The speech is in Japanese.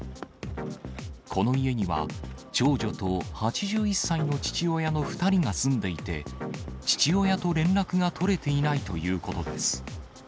この家には、長女と８１歳の父親の２人が住んでいて、父親と連絡が取れていないということです。